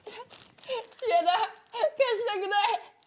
嫌だ貸したくない。